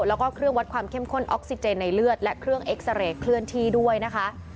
แล้วก็เครื่องวัดความเข้มข้นออกซิเจนในเลือดและเครื่องเอ็กซาเรย์เคลื่อนที่ด้วยนะคะ